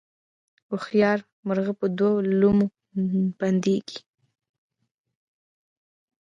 هوښیار مرغه په دوو لومو بندیږي